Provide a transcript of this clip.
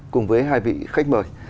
cùng với hai vị khách mời